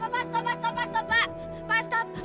pak pak stop pak stop pak pak stop